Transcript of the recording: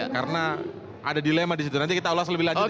karena ada dilema disitu nanti kita ulas lebih lanjut ya